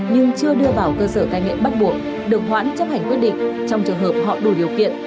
nhưng chưa đưa vào cơ sở cai nghiện bắt buộc được hoãn chấp hành quyết định trong trường hợp họ đủ điều kiện